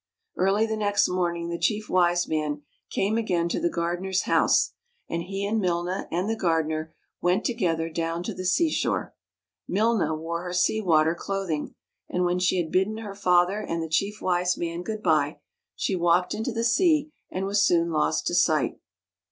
Early the next morning the Chief Wise Man came again to the gardener's house, and he and Milna and the gardener went together down to the sea shore. Milna wore her sea water clothing, and, when she had bidden her father and the Chief Wise Man good by, she walked into the sea and was soon lost to sight.